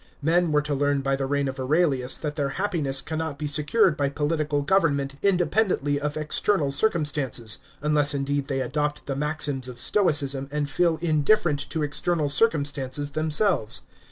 Men were to learn by the reign of Aurelius that their happiness cannot be secured by political government independently of external circumstances, unless indeed they adopt the maxims of Stoicism and feel indifferent to external circumstances themselves.